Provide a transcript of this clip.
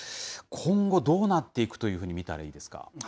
今後、どうなっていくというふうに見たらいいですか。